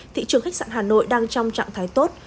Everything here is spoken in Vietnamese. thị trường khách sạn hà nội đang trong trạng thái tốt